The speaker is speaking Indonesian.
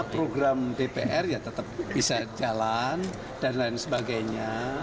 program dpr ya tetap bisa jalan dan lain sebagainya